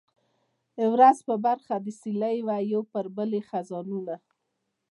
ورځ په برخه د سیلۍ وي یو پر بل یې خزانونه